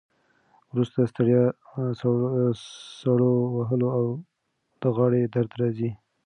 وروسته ستړیا، سړو وهلو او د غاړې درد راځي.